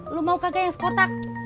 lo mau kagak yang sekotak